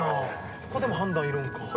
ここでも判断いるんか。